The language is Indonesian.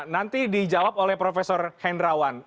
nanti dijawab oleh prof hendrawan